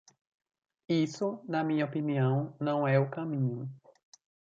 Isso, na minha opinião, não é o caminho.